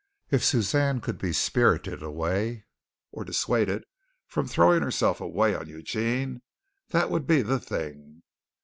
If Suzanne could be spirited away, or dissuaded from throwing herself away on Eugene, that would be the thing.